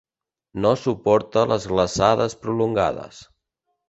No suporta les glaçades prolongades.